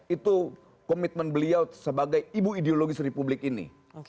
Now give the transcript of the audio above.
itu komitmen beliau sebagai ibu ideologis republik ini